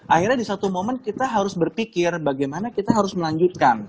akhirnya di satu momen kita harus berpikir bagaimana kita harus melanjutkan